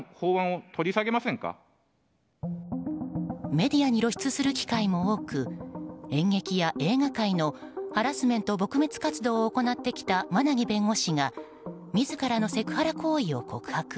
メディアに露出する機会も多く演劇や映画界のハラスメント撲滅活動を行ってきた馬奈木弁護士が自らのセクハラ行為を告白。